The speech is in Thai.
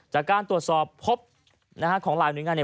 จากการตรวจสอบพบของหลายหน่วยงาน